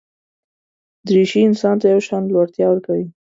دریشي انسان ته یو شان لوړتیا ورکوي.